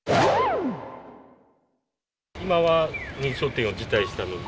今は認証店を辞退したので、